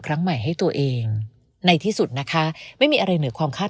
ครั้งใหม่ให้ตัวเองในที่สุดนะคะไม่มีอะไรเหนือความคาด